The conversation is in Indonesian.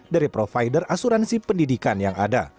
dari provider asuransi pendidikan